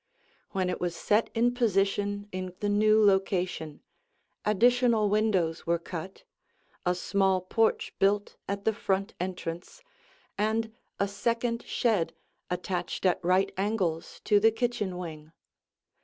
When it was set in position in the new location, additional windows were cut, a small porch built at the front entrance, and a second shed attached at right angles to the kitchen wing.